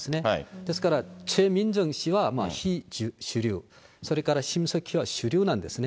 ですから、チェ・ミンジョン氏は非主流、それからシム・ソクヒは主流なんですね。